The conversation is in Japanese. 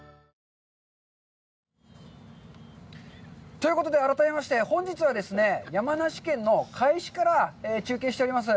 ということで、改めまして本日はですね、山梨県の甲斐市から中継しております。